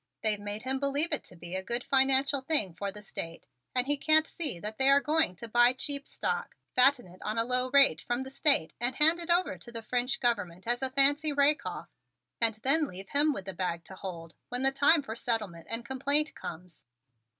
They've made him believe it to be a good financial thing for the State and he can't see that they are going to buy cheap stock, fatten it on a low rate from the State and hand it over to the French Government at a fancy rake off and then leave him with the bag to hold when the time for settlement and complaint comes.